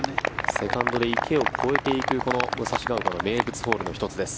セカンドで池を越えていくこの武蔵丘の名物ホールです。